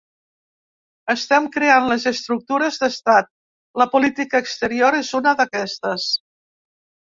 Estem creant les estructures d’estat, la política exterior és una d’aquestes.